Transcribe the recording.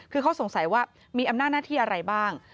คือเขาสงสัยว่ามีอำนาจหน้าที่อะไรบ้าง